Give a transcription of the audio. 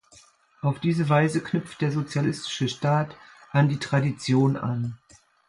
Auf diese Weise knüpft der sozialistische Staat an die Tradition an.